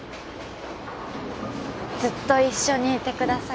ずっと一緒にいてください